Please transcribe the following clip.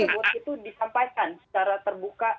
kalau kasus korupsi tersebut itu disampaikan secara terbuka